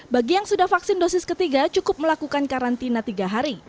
bagi yang sudah vaksin dosis ketiga cukup melakukan karantina tiga hari